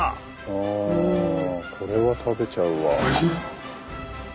あこれは食べちゃうわ。